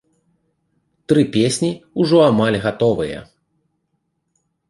Тры песні ўжо амаль гатовыя.